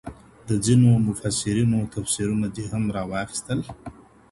د ځينو مفسرينو تفسيرونه دې هم راواخيستل؟